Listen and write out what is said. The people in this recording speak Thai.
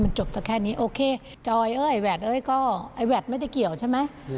ไม่ควรเลยไอ้ขี้หมา